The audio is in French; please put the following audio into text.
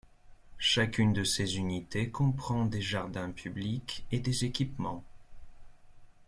Chacune de ces unités comprend des jardins publics et des équipements.